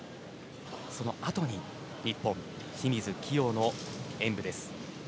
そのあとに日本、清水希容の演武です。